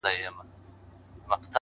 په مخه دي د اور ګلونه؛